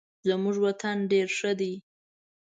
زمونږ ژوند ډیر ښه دې